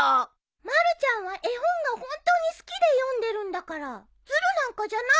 まるちゃんは絵本が本当に好きで読んでるんだからずるなんかじゃないよ。